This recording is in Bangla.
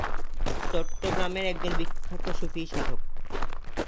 চট্টগ্রামের একজন বিখ্যাত সুফি সাধক।